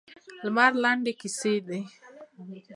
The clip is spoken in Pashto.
لمر لنډه کیسه ده.